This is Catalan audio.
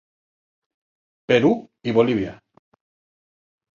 Perú i Bolívia.